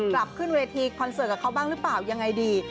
กลับขึ้นเวทีคอนเสิร์ตกับเขาบ้างหรือเปล่ายังไงดี